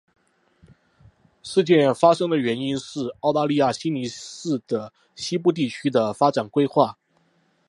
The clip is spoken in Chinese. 事件发生的原因是澳大利亚悉尼市的西部地区的发展规划。